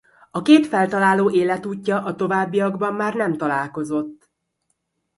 A két feltaláló életútja a továbbiakban már nem találkozott.